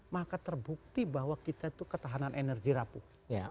maka terbukti bahwa kita itu ketahanan energi rapuh